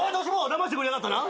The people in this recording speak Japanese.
だましてくれやがったな。